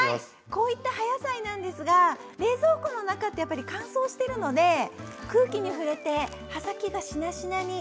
こういった葉野菜なんですが冷蔵庫の中ってやっぱり乾燥してるので空気に触れて葉先がしなしなになってしまいます。